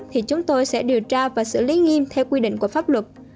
thì chúng tôi sẽ điều tra và xử lý nghiêm theo quy định của pháp luật